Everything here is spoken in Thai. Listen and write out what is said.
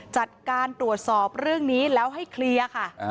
จัดการตรวจสอบเรื่องนี้แล้วให้เคลียร์ค่ะ